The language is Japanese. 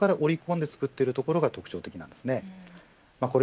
それを最初から織り込んでつくっているところが特徴的です。